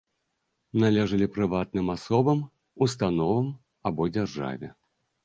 Належалі прыватным асобам, установам або дзяржаве.